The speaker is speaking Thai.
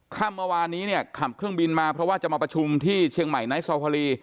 ค่ำเมื่อวานนี้เนี่ยขับเครื่องบินมาเพราะว่าจะมาประชุมที่เชียงใหม่ไนท์ซอลภารี